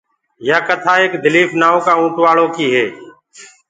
يآ ڪٿآ ايڪ دليٚڦ نآئو ڪآ اوٽواݪو ڪيٚ هي